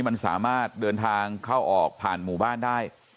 มันสามารถเดินทางเข้าออกผ่านหมู่บ้านได้